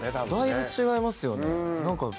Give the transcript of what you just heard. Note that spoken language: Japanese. だいぶ違いますよね。